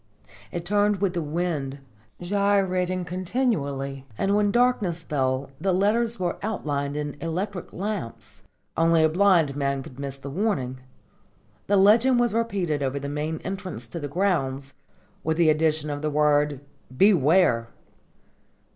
It turned with the wind, gyrating continually, and when darkness fell the letters were outlined in electric lamps. Only a blind man could miss the warning. This legend was repeated over the main entrance to the grounds, with the addition of the word "Beware!"